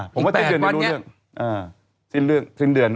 ผมว่าสิ้นเดือนได้รู้เรื่องสิ้นเรื่องสิ้นเดือนสิ้นเดือนสิ้นเดือน